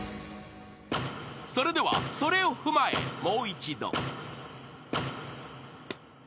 ［それではそれを踏まえもう一度］